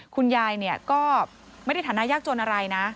คุณยายก็ไม่ได้ฐานะยากจนอะไรนะ